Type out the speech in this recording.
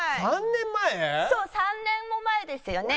そう３年も前ですよね。